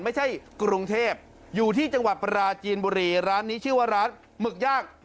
ไม่ใช่กรุงเทพอยู่ที่จังหวัดปราจีนบุรีร้านนี้ชื่อว่าร้านหมึกย่าง